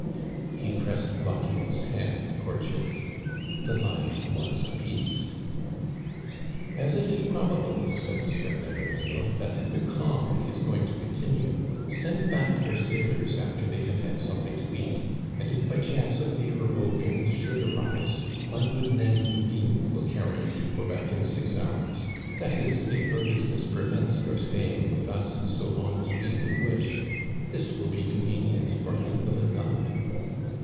He pressed Lochiel's hand cordially. The Hon was appeased. " As it is probable," said M. d'Haberville, " that the calm is going to continue, send back your sailors after they have had something to eat ; and if by chance a fa vorable wind should arise, my good hag Lubine will carry you to Quebec in six hours — ^that is, if your busi ness prevents your staying with us so long as we would wish. This will be convenient for you, will it not